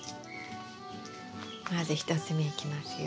まず１つ目いきますよ。